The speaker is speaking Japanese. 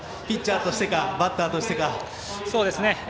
ピッチャーとしてかバッターとしてか。